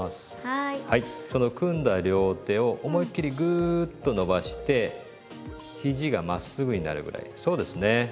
その組んだ両手を思いっ切りグーッと伸ばしてひじがまっすぐになるぐらいそうですね。